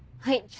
はい。